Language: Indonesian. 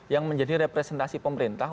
yang menjadi representasi pemerintah